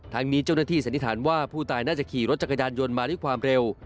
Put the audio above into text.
ทางนี้เจ้าหน้าที่สันนิษฐานว่าผู้ตายน่าจะขี่รถจักรยานยนต์มาด้วยความเร็ว